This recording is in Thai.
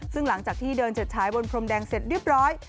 ซึ่งหลังจากที่เดินเฉิดฉายบนพรมแดงเสร็จเรียบร้อย